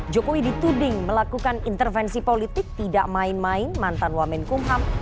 jokowi dituding melakukan intervensi politik tidak main main mantan wamen kumham